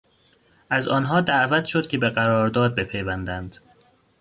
از آنها دعوت شد که به قرارداد بپیوندند.